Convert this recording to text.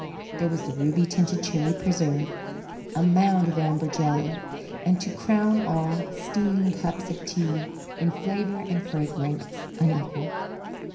There was the ruby tinted cherry preserve, a mound of amber jelly, and, to crown all, steaming cups of tea, in flavour and fragrance unequalled.